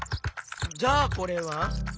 じゃあこれは？